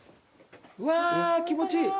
うわー気持ちいい！